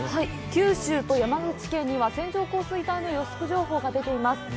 九州と山口県には線状降水帯の情報が出ています。